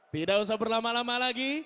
tidak usah berlama lama lagi